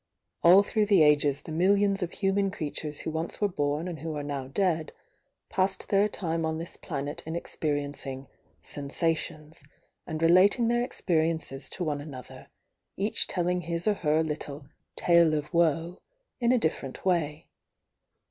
All through the ages the millions of human creatures who once were bom and who are now dead, passed their time on this plaaet in experiencing "sensations," and relat mg their experiences to one another, each telling his or her little "tale of woe" in a different way.